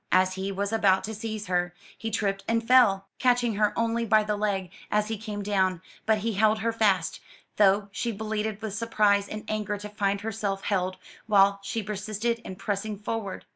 As he was about to seize her, he tripped and fell, catching her only by the leg as he came down; but he held her fast, though she bleated with surprise and anger to find herself held, while she persisted in pressing forward.